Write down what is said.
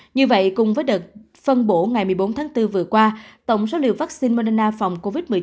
như vậy cùng với đợt phân bổ ngày một mươi bốn tháng bốn vừa qua tổng số liều vaccine mona phòng covid một mươi chín